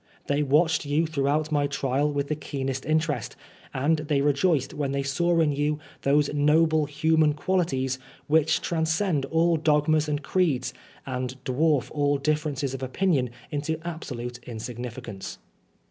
They watched you throughout my trial with the keenest interest, and they rejoiced when they saw in YOU those noble himan qualities which transcend all dogmas and creeds, and dwarf all differences of opinion into absolnte insignificance."